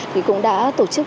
thì cũng đã tổ chức